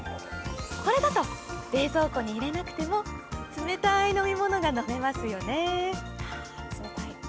これだと、冷蔵庫に入れなくても冷たい飲み物が飲めますよね。